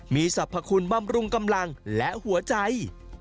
มีสรรพคุณบำรุงกำลังและหัวใจ